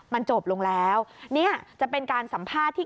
มันจบลงแล้วเนี่ยจะเป็นการสัมภาษณ์ที่